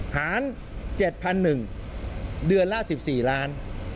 หาร๗๑๐๐เดือนละ๑๔ล้าน